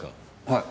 はい。